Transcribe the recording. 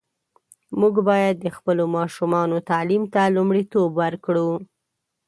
موږ باید د خپلو ماشومانو تعلیم ته لومړیتوب ورکړو.